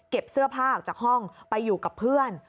เสื้อผ้าออกจากห้องไปอยู่กับเพื่อน